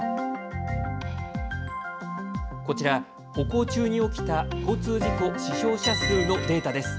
こちら、歩行中に起きた交通事故死傷者数のデータです。